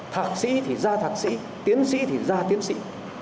thạc sĩ thì da thạc sĩ tiến sĩ thì ra tiến sĩ